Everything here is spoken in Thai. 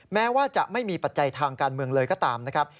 แม้ว่าจะไม่มีปัจจัยทางการเมืองเลยก็ตามนะครับ